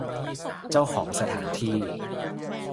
เจ้าของสถานที่